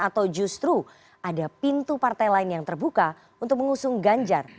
atau justru ada pintu partai lain yang terbuka untuk mengusung ganjar